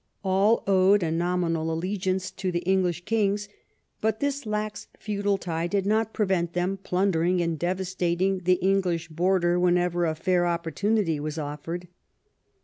All owed a nominal allegiance to the English kings, but this lax feudal tie did not prevent them plundering and devastating the English border whenever a fair opportunity Avas offered.